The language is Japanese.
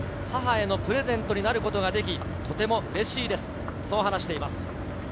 母へのプレゼントになることができ、とても嬉しいですと話しています。